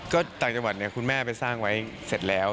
ก็ต่างจังหวัดเนี่ยคุณแม่ไปสร้างไว้เสร็จแล้ว